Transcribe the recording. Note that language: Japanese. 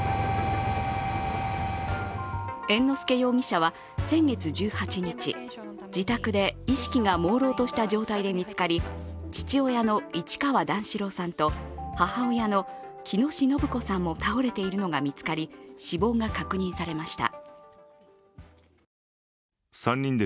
猿之助容疑者は、先月１８日、自宅で意識がもうろうとした状態で見つかり父親の市川段四郎さんと母親の喜熨斗延子さんも倒れているのが見つかり、死亡が確認されました。